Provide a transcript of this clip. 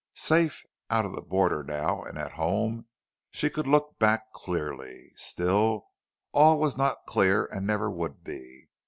Safe out of the border now and at home, she could look back clearly. Still all was not clear and never would be.